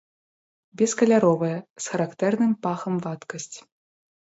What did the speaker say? Бескаляровая, з характэрным пахам вадкасць.